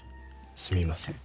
すみません。